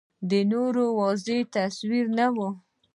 د نورو واضح تصویر نه و